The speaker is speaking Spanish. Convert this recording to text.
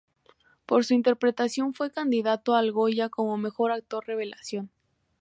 Por su interpretación fue candidato al Goya como mejor actor revelación.